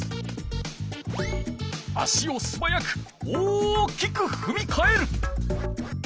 足をすばやく大きくふみかえる。